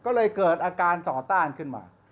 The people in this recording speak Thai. ก็เลยเกิดอาการต่อต้านขึ้นมา